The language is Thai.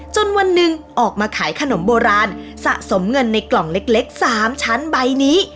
วันหนึ่งออกมาขายขนมโบราณสะสมเงินในกล่องเล็ก๓ชั้นใบนี้